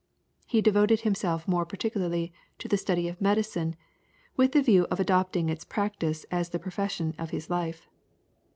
He devoted himself more particularly to the study of medicine, with the view of adopting its practice as the profession of his life.